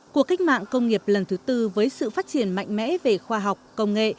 cuộc cách mạng công nghiệp lần thứ tư với sự phát triển mạnh mẽ về khoa học công nghệ